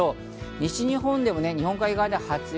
西日本でも日本海側で初雪。